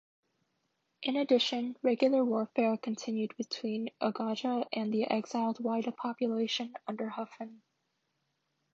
In addition, regular warfare continued between Agaja and the exiled Whydah population under Huffon.